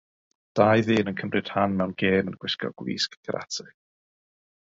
Dau ddyn yn cymryd rhan mewn gêm yn gwisgo gwisg karate.